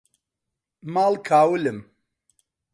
ماڵ کاولم